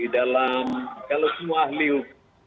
di dalam kalau semua ahli hukum